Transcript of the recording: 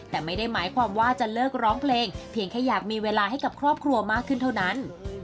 แต่ไม่ได้หมายความว่าจะเลิกร้องเพลงเพียงแค่อยากมีเวลาให้กับครอบครัวมากขึ้นเท่านั้น